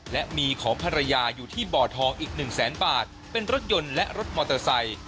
และมีของภรรยาอยู่ที่บ่อทองอีกหนึ่งแสนบาทเป็นรถยนต์และรถมอเตอร์ไซค์